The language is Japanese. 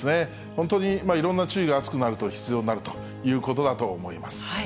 本当にいろんな注意が、暑くなると必要になるということだと思います。